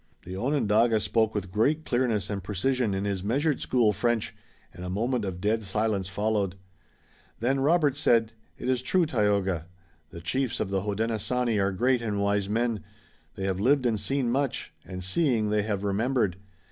The Onondaga spoke with great clearness and precision in his measured school French and a moment of dead silence followed. Then Robert said: "It is true, Tayoga. The chiefs of the Hodenosaunee are great and wise men. They have lived and seen much, and seeing they have remembered.